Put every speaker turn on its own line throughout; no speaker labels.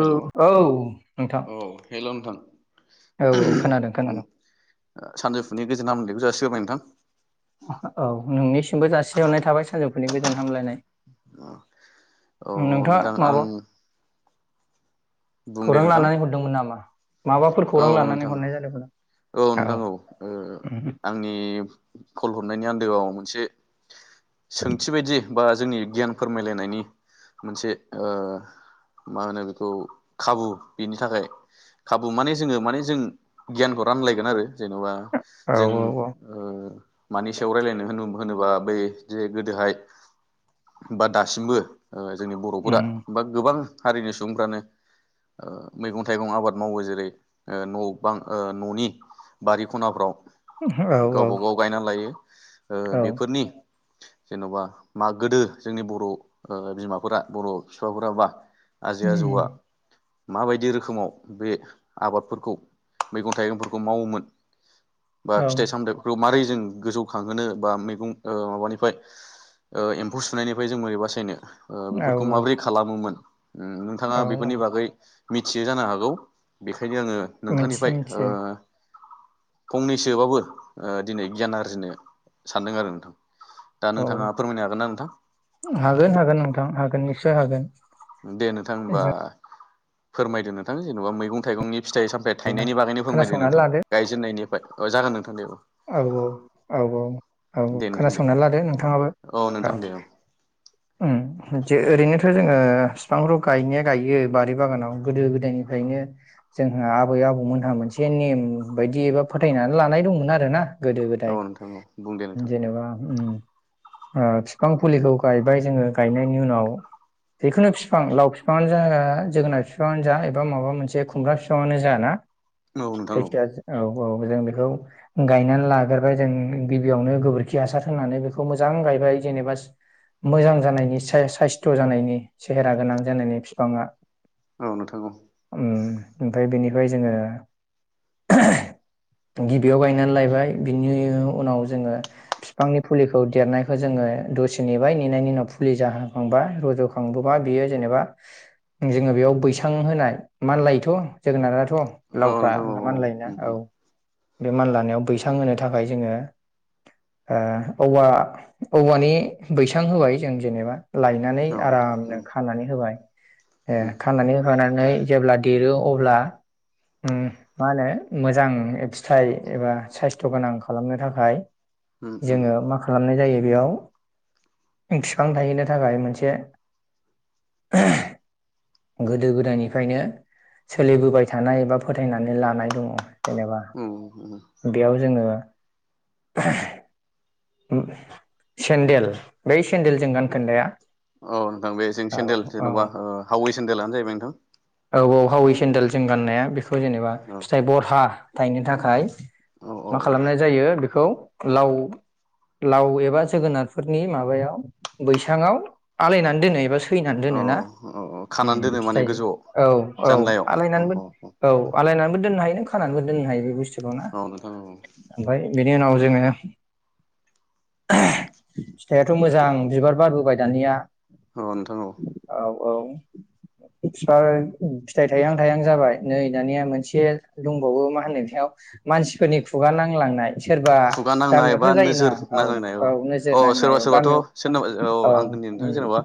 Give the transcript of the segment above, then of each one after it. हेल'
औ औ नोंथां
औ हेल' नोंथां
औ औ खोनादों
उम ओ
खोनादों
सानजौफुनि गोजोना हामलाय नायखौ जासि ग्रोबाय नोंथां
औ नोंनिसिमबो जासि हरनाय थाबाय सानजौ फुनि गोजोन हामलायनाय
अ औ औ
नोंथाङा
नोंथां आं
माबा
बुं दे
खौरां
नोंथां
लानानै हरदोंमोन नामा माबाफोर
औ
खौरां लानानै
नोंथां
हरनाय जादोंमोन
औ नोंथां औ ओ आंनि कल हर नायनि आन्दोआव मोनसे सोंथि बायदि बा जोंनि गियान फोरमायलायनायनि मोनसे ओ मा होनो बेखौ खाबु बिनि थाखाय खाब औ माने जोङो माने जों गियानखौ रानलायगोन आरो जेन'बा
औ
जों
औ
ओ मानि सायाव रायलायनो होन होनोबा बै जे गोदोहाय बा दासिमबो ओ जोंनि बर'फोरा बा गोबां हारिनि सुबुंफ्रानो ओ मैगं थाइगं आबाद मावो जो बै ओ न' बां ओ न'नि बारि खनाफ्राव
औ
गावबा गाव गायना लायो ओ बेफोरनि जेन'बा मा गोदो जोंनि बर' ओ बिमाफोरा बर' बिफाफोराबा आजि आजौआ माबायदि रोखोमाव बे आबादफोरखौ मैगं थाइगंफोरखौ मावोमोन बा फिथाइ सामथफोरखौ मारै जों गोजौ खांहोनो बा मैगं ओ माबानिफाय ओ एम्फौ सुनायनिफ्राय जों बोरै बासायनो ओ
औ
बेफोरखौ माब्रै खालामोमोन उम नोंथाङा
औ औ
बेफोरनि बागै मिथियो जानो हागौ बे खायनो आङो
मिथियो
नोंथांनिफ्राय ओ
मिथियो
फंनैसोबाबो ओ दिनै गियान आरजिनो सानदों आरो नोंथां दा
औ
नोंथाङा फोरमायनो हागोन ना नोंथां
हागोन हागोन नोंथां हागोन निस्सय हागोन
दे नोंथां होमबा
जो
फोरमायदो नोंथां जेन'बा मैगं थाइगंनि फिथाइ सामथाय थाइनायनि बागैनो फोरमायदो
खोनासंनानै
नोंथां
लादो
गायजेननायनि बाय ओ जागोन नोंथां दे औ
औ औ औ औ औ
दे नोंथां दे
खोनासंनानै लादो नोंथाङाबो
औ
औे
नोंथां दे औ
उम जे ओरैनो थो जोङो बिफांखौ गायनाया गायो बारि बागानाव गोदो गोदायनिफ्रायनो जोंहा आबै आबौमोनहा मोनसे नेम बायदि एबा फोथायनानै लानाय दंमोन आ [unintelligible] गोदो
औ
गोदाय
नोंथां औ बुं दे नोंथां
जेनेबा ओम ओ बिफां फुलिखौ गायबाय जोङो गायनायनि उनाव जिखुनु बिफां लाव बिफां आनो जा जोगोनार बिफाङानो जा एबा माबा मोनसे खुमब्रा बिफाङानो जा ना
औ
[unintelligible]
नोंथां
औ अ जों बेखौ गायनानै लाग्रोबाय जों गिबियावनो गोबोरखि हासार होनानै बेखौ मोजां गायबाय जेनेबा मोजां जानायनि सा- साइस्थ' जानायनि सेहेरा गोनां जानायनि फिफाङा
औ नोंथां औ
ओम ओमफ्राय बेनिफाय जोङो [unintelligible] गिबियाव गाय [unintelligible] लायबाय बिनि उनाव जोङो बिफांनि फुलिखौ देरनायखौ जोङो दसे नेबाय नेनायनि उनाव फुलि जाहोखांबा रज'खांबोबा बियो जेनेबा जोङो बेयाव बैसां होनाय मानलायोथ' जोगोनाराथ'
औ
लावफ्रा
नोंथां औ
मानलायोना औ बे मानला मायाव बैसां होनो थाखाय जोङो ओ औवा औवानि बैसां होबाय जों जेनेबा लायनानै
औ नोंथां
आरामनो
औ
खानानै होबाय ए
उम
खानानै होफानानै जेब्ला देरो अब्ला ओम मा होनो मोजां फिथाइ एबा साइस्थ' गोनां खालामनो थाखाय
उम उम
जोङो मा खालामनाय जायो बेयाव फिफां थाहैनो थाखाय मोनसे [unintelligible] गोदो गोदायनिफ्रायनो सोलिबोबाय थानाय एबा फोथायनानै लानाय दङ जेनेबा
औ
बेयाव जोङो [unintelligible] सेन्देल बै सेन्देलजों गान खोन्दाया
औ नोंथां बे जों सेन्देल जेन'बा ओ हावै सेन्देलानो जा नोंथां
औ औ हावै सेेनन्देल जों गाननाया बे बेखौ जेनेबा
औ
फिथाइ बरहा थायनो थाखाय
औ औ
मा खालामनाय जायो बेखौ लाव लाव एबा जोगोनारफोरनि माबायाव बैसाङाव आलायनानै दोनो एबा सैनानै
औ
दोनो ना
औ औ
ओम
खानानै दोनो माने
खिथायो
गोजौआव
औ औ आलायनानैबो औ आलायनानैबो दोननो हायो नों खानानैबो दोननो हायो बे
औ नोंथां औ
[unintelligible] ओमफाय बेनि उनाव जोङो [unintelligible] फिथाइआथ' मोजां बिबार बारबोबाय दानिया
अ नोंथां औ
औ बिफां फिथाइ थायहां थायहां जाबाय नै दानिया मोनसे दंबावो मा होनो बेयाव मानसिफोरनि खुगा नांलांनाय सोरबा
खुगा नांनाय बा
गामियावथ' जायोना
नोजोर नांनाय औ
नोजोर
औ
नांनाय
सोरबा सोरबाथ'
गामियाव
सोरनाबा औ आं होननि नोंथां जेनेबा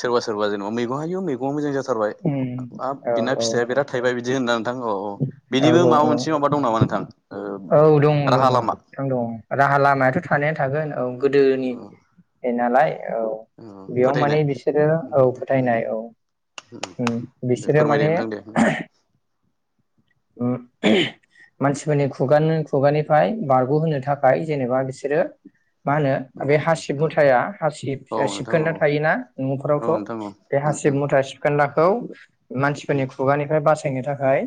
सोरबा सोरबा जेनेबा मै आयौ मैगंआ मोजां जा
उम
[unintelligible] हाब
औ
बिना
औ
फिथाइआ बिराद थायबाय बिदि होनोना नोंथां औ औ बिनिबो
औ
माबा
औ औ
मोनसे माबा दं नामा नोंथां ओ
औ दङ दङ
राहा लामा
थां दं राहा लामायाथ' थानायानो थागोन औ गोदोनि
औ
हेनालाय औ
औ
बेयाव
फोथायनाय
माने बिसोरो
उम
औ
उम
फोथायनाय औ उम
दे
बिसोरो
फोरमायदो
माने
नोंथां दे
उम [unintelligible] मानसिफोरनि खुगान खुगानिफ्राय बारग'होनो थाखाय जेनेबा बिसोरो मा होनो
औ
बे हासिब
नोंथां औ
मुथाया हासिब
औ नोंथां औ
सिबखोन्दा थायोना
औ
न'फोरावथ'
नोंथां औ
बे हासिब मुथा सिबखोन्दा औ मानसिफोरनि
उम
खुगानिफाय बास सायनो थाखाय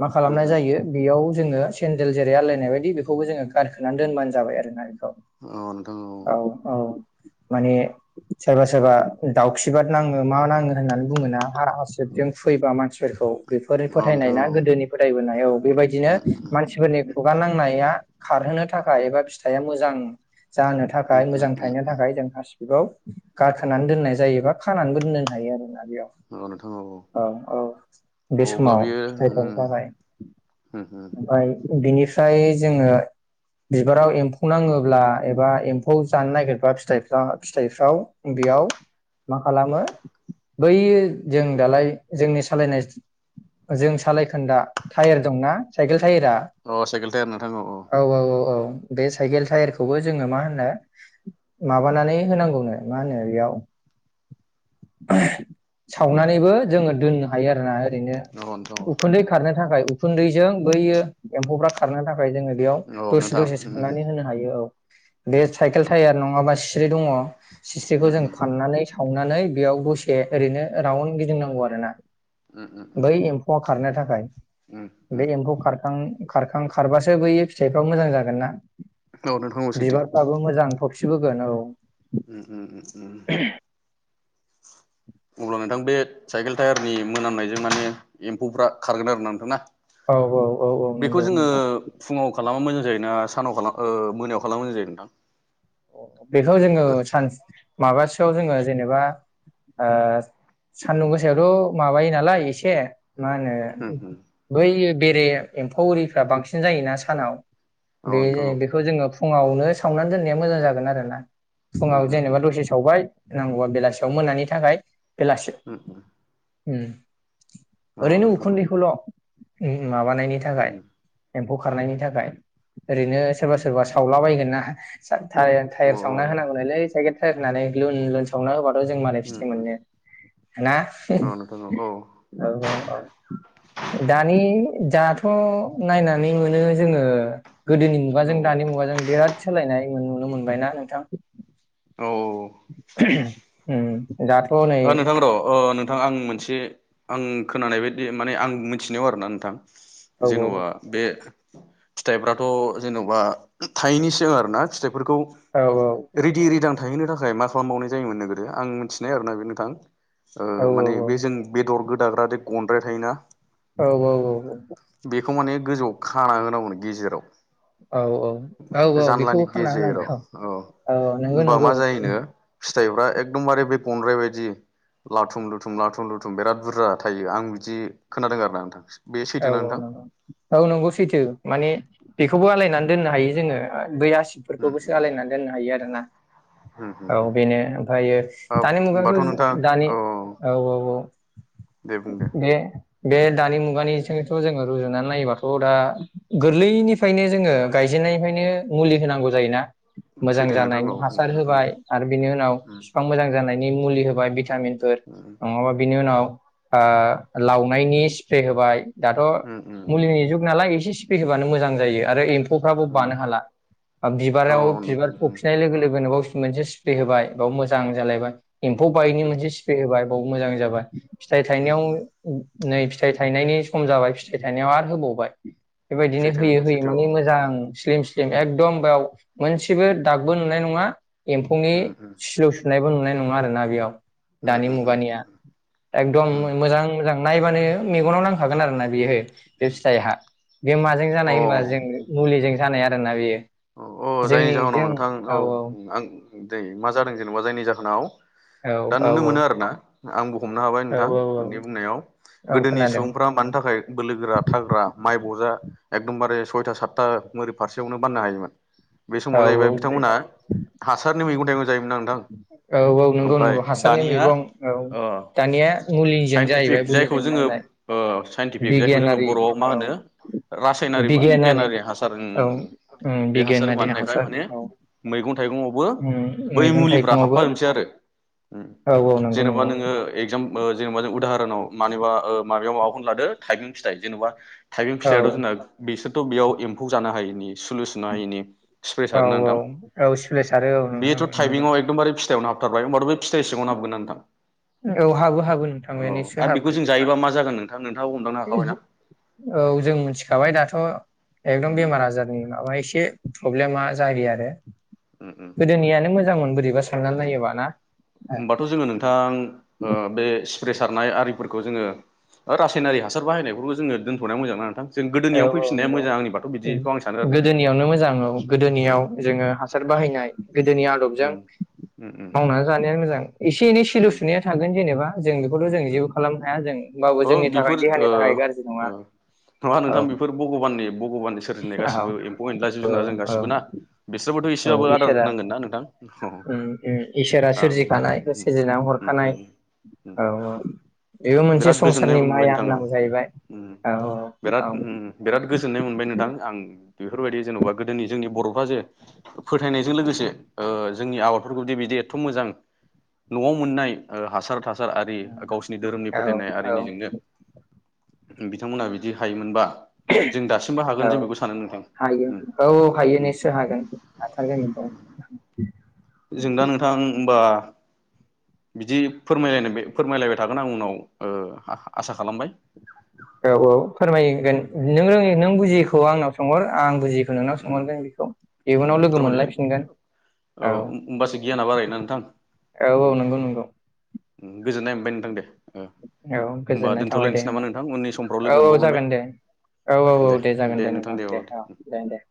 मा
उम
खालामनाय जायो बेयाव जोङो सेन्देल जेरै आलायनाय बायदि बेखौबो जोङो गारखोना दोनबानो जाबाय आरोना अ
उम औ नोंथां
औ औ माने सोरबा सोरबा दाउखिबाद नाङो मा नाङो होननानै बुङो ना हारा हासिबजों फैयबा मानसि फोरखौ बेफोरो
औ
फोथायनाय
नोंथां
ना
औ
गोदोनि फोदायबोनाय औ बेबायदिनो
उम उम
मानसिफोरनि खुगा नांनाया खारहोनो थाखाय एबा फिथाया मोजां जानो थाखाय
उम
मोजां
उम
थायनो
उम
थाखाय जों हासि दिबाव गाखोनानै दोननाय जायोबा खानानै दोननोन हायो आरोना याव
औ नोंथां
औ औ बे
औ अब्ला
समाव
बियो
फिथाइ थाइ
उम
बाबाय
उम उम
बिनिफ्राय जोङो बिबाराव एम्फौ नाङोब्ला एबा एम्फौ जानो नागिरबा फिथाइफ्रा फिथाइफ्राव बेयाव मा खालामो बै जों दालाय जोंनि सालायनाय जों सालायखोन्दा टायार दंना साइकेल टायेरा
अ साइकेल टायार नोंथां
औ औ औ औ बे साइकेल टायारखौबो जोङो मा होनो माबानानै होनांगौनो मा होनो बेयाव सावनानैबो जोङो दोननो हायो आरोना रैनो
औ नोंथां औ
उखुन्दै खारनो थाखाय उखुन्दै जों बैयो एम्फौफ्रा खारनो था बाय जोङो बेयाव
औ
दसे
नोंथां
दसे
उम
सोमनानै होनो हायो औ बेयो साइकेल टाइयार नङाबा स्रि दङ सिस्रिखौ
उम
जों फाननानै सावनानै बेयाव दसे ओरैनो राउन्ड गिदिंनांगौ आरो ना
उम उम
बै
उम
एम्फौआ खारनो था फ्राय
उम उम
खारखां खारखां खारबासो बैयो फिथाइफ्राबो मोजां जागोन ना
औ नोंथां औ सैथो
बिबारफ्राबो मोजां थफि बोगोन औ
उम उम उम उम अब्ला नोंथां बे साइकेल टायारनि मोनामनायजों माने एम्फौफ्रा खारगोन आरो ना नोंथां ना
औ औ औ औ
बेखौ
नंगौ
जोङो
नोंथां।
फुङाव खालामा मोजां जायोना सानाव खाला ओ मोनायाव खालामबा मोजां जायो नोंथां
अ अ बेखौ जोङो सान माबासोयाव जोङो जेनेबा ओ सान्दुं गोसायावथ' माबायो नालाय एसे मा होनो
उम उम
बैयो बेरे एम्फौ एरिफ्रा बांसिन जायोना सानाव
औ
बे
नोंथां
जे
औ
बेखौ जोङो फुङावनो सावनानै दोन मोजां जागोन आरोना
उम
फुङाव
उम
जेनेबा
उम
दसे सावबाय नांगौबा बेलासियाव मोनानि थाखाय बेलासि
उम उम
उम
औ
ओरैनो
नोंथां औ
उखुन्दैखौल' उम मा मानायनि थाखाय
उम
खारनायनि थाखाय ओरैनो सोरबा सोरबा सावला बायगोन ना सा टा
औ
टायार
औ
सावना होनांगौ नोलै साइकेल [unintelligible] लुन लुन सावना होबा जों मालाय
उम
फिथाइ
उम
मोनो ना
औ नोंथां औ औ
औ औ अ दानि दाथ नायना सानै मोनो जोङो गोदोनि मुगाजों दानि मुगाजों बिराद सोलायनाय नुनो मोनबायना नोंथां
औ
[inaudible] नै
ओ नोंथां र' नोंथां आं मोनसे आं खोनानाय बायदि माने आं मिथिनायाव आरोना नोंथां
औ
जेन'बा बे फिथाइफ्राथ' जेन'बा थायनैसो आरोना
औ
[unintelligible] थाहैनो थाखाय मा खालामबावनाय जायोमोन नोंथां आं मिथिनाय आरोना बे नोंथां ओ
औ
माने बे जों बेदर गोद दाग्रा दे गनद्राय थायोना
औ औ औ औ
बेखौ माने गोजौआव खाना होनांगौनो गेजेराव
औ औ औ औ बेखौबो
जानलानि
खानना
गेजेराव
होनांगौ औ औ नोंगौ
होमबा
नंगौ
मा जायोनो फिथाइफ्रा एकदमबारे बे बन बायदि बिदि लाथुम लुथुम लाथुम लुथुम बिराद बुरजा थायो आं बिदि खोनादों आरो ना नोंथां बे
औ
सैथोना
औ
नोंथां
नंगौ औ नंगौ सैथो माने बेखौबो आलायनानै दोननो हायो जोङो
उम
फोरखौबोसो सलायनानै दोननो हायो आरोना
उम उम
औ बेनो ओमफ्रायो
औ
दानि
होमबाथ'
मुगायावाथ'
नोंथां
दानि
औ
औ औ औ
दे बुं दे
बे बे दानि मुगानि थ' जोङो रुजुनानै नायोबाथ' दा गोरलैनिफ्रायनो जोङो गायजेननायनिफ्रायनो मुलि होनांगौ जायोना मोजां
सैथो नोंथां
जानायनि
औ उम
हासार होबाय आरो बिनि उनाव
उम
बिफां मोजां जानायनि मुलि होबाय भिटामिनफोर नङाबा बिनि उनाव ओ लावनायनि स्प्रे होबाय दाथ'
उम उम उम
मुलिनि जुग नालाय एसे सि फैहोब्लानो मोजां जायो आरो फ्राबो
उम
बानो हाला
औ
बिबाराव बिबार
नोंथां उम
थफिनाय लोगो लोगोन बाव मोनसे स्प्रे होबाय बाव मोजां जालायबाय एम्फौ बाइकनि
उम
मोनसे स्प्रे होबाय बाव मोजां जाबाय फिथाइ
उम
थायनायाव
उम
नै फिथाइ थायनायनि सम जाबाय फिथाइ थाइनायाव आरो होबावबाय बेबायदिनो
सैथो
होयै
नोंथां
होयै
सैथो औ
माने
उम
मोजां स्लिम एकदम बेयाव मोनसेबो दागबो नुनाय नङा एम्फौनि
उम उम
सिलौ सुनायबो नङा नाय नङा आरोना बेयाव दानि
उम उम
मुगानिया एखदम
उम
मोजां मोजां नायबानो मेगनाव नां खागोन आरना बियो बे
उम
फिथाइहा बे माजों
अ
जानाय होनबा जों मुलिजों जानाय आरोना बेयो
औ औ जायनि
जोंनि
जाहोनाव
जों
नोंथां औ आं दैे मा जादों जेनबा जायनि जाहोनाव
औ
दा
औ
नुनो मोनो आरो ना आंबो हमनो हाबाय
औ
नोंथां
औ
नोंनि बुंनायाव
औ
गोदोनि
खोनादों
सुबुंफ्रा मानि थाखाय बोलोगोरा थाग्रा माइ बजा एखदमबारे सइथा सादथा ओरै फारसेआवनो बाननो हायोमोन बे
औ
समाव जाहैबाय
औ बे
बिथांमोना हासारनि मैगं थाइगं जायोमोन आ नोंथां
औ औ नंगौ
ओमफाय
नंगौ हासारनि
दानिया
मैगं औ
अ
दानिया मुलिजों जाहैबाय
साइनटिफिक जायखौ
मुलिजों
जोङो
बायनाय
ओ साइनटिफिक जायखौ जोङो
बिगियानारि
बर'आव मा
औ
होनो रासायनारि बा बिगियानारि हासार उम
औ
उम उम बे हासारखौ
बिगियानारि
बानायनायखाय
हासार
माने
औ
मैगं थाइगं आवबो
उम
बै
मैगं
मुलि [unintelligible]
थाइगङावबो
आरो उम
औ औ नंगौ
जेनबा
नंगौ
नोङो एकजाम ओ जेनेबा नोङो उदा मानिबा ओ माबायाव माबाखौनो लादो थाइबें फिथाइ जेनबा थाइबें
औ
फिथायाथ' जोंना बिसोर थ' बेयाव एम्फौ जानो हायिनि सलु सुनो हायिनि
औ औ औ सिफ्रे सारो औ नोंथां नोंगौ
फिथायावनो हाबथारबाय होनबा थ' बे फिथाइ सिङावनो हाबगोन ना नोंथां
औ हाबो हाबो नोंथां
औ
बे निसय
आरो बेखौ
हाबगोन
जों जायोबा मा जागोन नोंथां नोंथाङाबो हमदांनो हाखाबायना
औ जों मिथिखाबाय दाथ' एकदम
उम
बेमार आजारनि माबा एसे प्रब्लेमा जायो आरो
उम
गोदोनियानो मोजांमोन बोरैबास सानना
उम
नायोबा ना
होमबाथ' जोङो नोंथां ओ बे सुप्रे सारनाय आरिफोरखौ जोङो रासायनारि हासार बाहायनायफोरखौ जोङो दोनथ'नाया मोजां ना नोंथां जों
औ
गोदोनियाव
औ
फैफिननाया
नंगौ
मोजां आंनिबाथ' बिदिखौ आं सानो आरो नोंथां।
गोदोनियावनो मोजां औ गोदोनियाव
उम
जोङो हासार बाहायनाय गोदोनि आदबजों
उम उम उम
मावनानै जानायानो मोजां एसे एनै सिलु
उम
सुनाया थागोन जेनेबा जों बेखौथ'
उम
जों
उम
जेबो खालामनो हाया जों होमबाबबो
अ
जोंनि थाखाय
बेफोर ओ
देहानि थाखाय गाज्रि नङा
ओ नङा
औ
नोंथां बेफोर भग'बाननि भग'बाननि सोरजिनाय
औ
गासिबो एम्फौ एनला जिब
औ
जुनार जों
औ
गासिबो ना बिसोर
औ इसोरा ओम ओम इसोरा
आं उम
सोरजिखानाय
उम
सोरजिनानै हरखानाय
उम उम
औ औ बेबो मोनसे
बिराद गोजोननाय
संसारनि
मोनबाय
माया
नोंथां औ
होननांगौ
उम
जाहैबाय
उम
औ औ
बिराद उम उम बिराद गोजोननाय मोनबाय नोंथां आं बेफोरबायदि जेने'बा गोदोनि जोंनि बर'फोरा जे फोथायनायजों लोगोसे ओ जोंनि आबादफोरखौदि बिदि एथ' मोजां न'आव मोननाय ओ हासार थासा सार आरि गावसिनि धोरोमनि
औ
फोथायनाय
औ
आरिनिजोंनो बिथांमोना बिदि हायोमोनबा जों दासिमबो हागोन
[unintelligible] औ
जों बेखौ सानो नोंथां
हायो
उम
औ औ हायो
उम
निसय हागोन हाथारगोन बिखौ
जों दा नोंथां होमबा बिदि फोरमायलाय फोरमायलायबाय थागोन आं उनाव ओ आसा खालामबाय
औ औ फोरमायगोन
उम
नों रोङै नों बुजियैखौ आंनाव सोंहर आं बुजियि नोंनाव
उम
सोंहरगोन बेखौ
उम
इयुनाव लोगो
फोरमायलाय
मोनलायफिनगोन औ
होमबासो गियाना बारायोना नोंथां
औ औ नंगौ नंगौ
ओम गोजोननाय मोनबाय नोंथां दे ओ
औ
होमबा
गोजोननाय थाबाय दे
दोनथ'लायनोसै नामा नोंथां उननि समफ्राव
होमबा औ
लोगो
औ
मोनबावगोन बे
जागोन दे औ औ औ दे जागोन दे नोंथां दे औ दे दे। [inaudible]